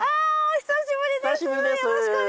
久しぶりです！